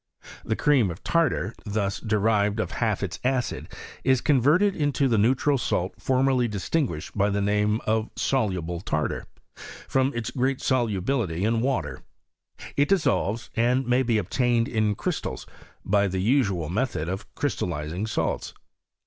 The 'Cream of tartar, thus deprived of half its acid, is converted into the neutral salt formerly distinguished by the name of soluble tartar, from its great solu bility in water : it dissolves, and may be obtained in crystals, by the usual method of crystallizing salts.